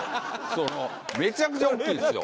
そのめちゃくちゃ大きいんですよ。